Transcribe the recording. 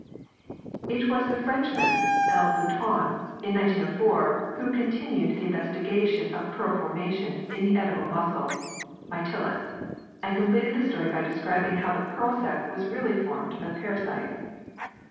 It was the Frenchman, L. Boutan, in 1904, who continued the investigation of pearl formation in the edible mussel (My til us) and completed the story by describing how the pearl sac was really formed by the parasite.